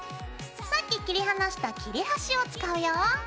さっき切り離した切れ端を使うよ。